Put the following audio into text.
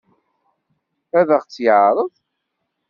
Ad ɣ-tt-yeɛṛeḍ?